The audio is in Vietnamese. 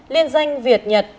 liên danh việt nhật